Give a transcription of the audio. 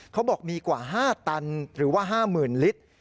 เขาบอกมีกว่า๕ตันหรือว่า๕๐๐๐ลิตร